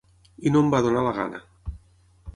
I no em va donar la gana.